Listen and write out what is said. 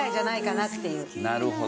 なるほど。